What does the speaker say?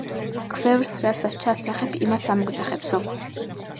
ქვევრს რასაც ჩასძახებ, იმას ამოგძახებსო.